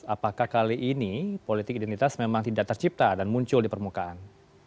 apakah kali ini politik identitas memang tidak tercipta dan muncul di permukaan